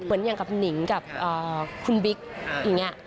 อย่างกับหนิงกับคุณบิ๊กอย่างนี้